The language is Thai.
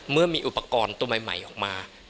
เมื่อมีอุปกรณ์ตัวใหม่ออกมา